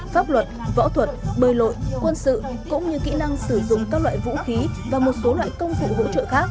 pháp luật võ thuật bời lội quân sự cũng như kỹ năng sử dụng các loại vũ khí và một số loại công cụ